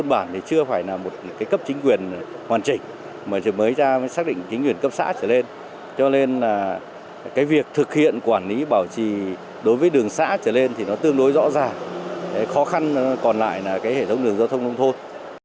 bảo trì đối với đường xã trở lên thì nó tương đối rõ ràng khó khăn còn lại là hệ thống đường giao thông nông thôn